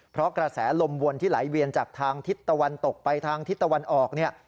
เพราะกระแสลมวนที่ไหลเวียนจากทางทิศตะวันตกไปทางทิศตะวันออกเนี่ย